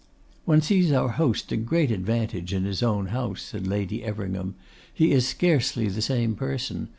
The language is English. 'One sees our host to great advantage in his own house,' said Lady Everingham. 'He is scarcely the same person.